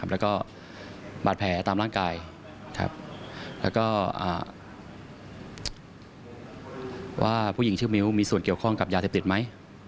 แล้วก็บาดแผลตามร่างกายแล้วก็ว่าผู้หญิงชื่อมิ้วมีส่วนเกี่ยวข้องกับยาเสพติดไหม